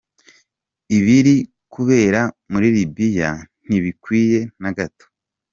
Ibiri kubera muri Libya ntibikwiye na gato.